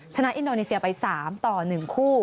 อินโดนีเซียไป๓ต่อ๑คู่